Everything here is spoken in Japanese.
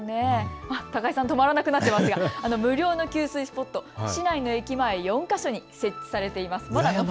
高井さん、止まらなくなっていますが無料の給水スポット、市内の駅前４か所に設置されています。